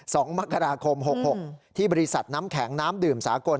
สองมกราคมหกหกที่บริษัทน้ำแข็งน้ำดื่มสากล